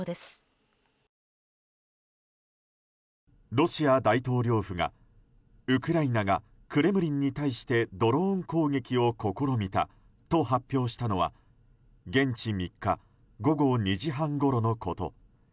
ロシア大統領府がウクライナがクレムリンに対してドローン攻撃を試みたと発表したのは現地３日午後２時半ごろのこと。